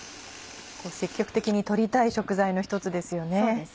積極的に取りたい食材の一つですよね。